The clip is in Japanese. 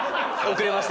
遅れました